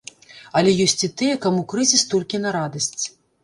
Але ёсць і тыя, каму крызіс толькі на радасць.